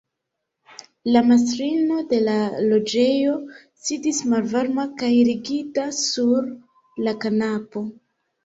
La mastrino de la loĝejo sidis malvarma kaj rigida sur la kanapo.